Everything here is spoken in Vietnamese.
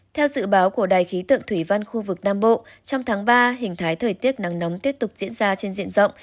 theo dự báo của đài khí tượng thủy văn khu vực nam bộ trong tháng ba hình thái thời tiết nắng nóng tiếp tục diễn ra trên diện rộng